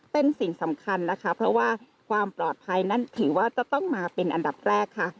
เป็นสิ่งสำคัญนะคะเพราะว่าความปลอดภัยนั้นถือว่าจะต้องมาเป็นอันดับแรกค่ะ